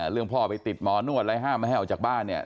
เรื่องพ่อไปติดหมอนวดอะไรห้ามไม่ให้ออกจากบ้านเนี่ย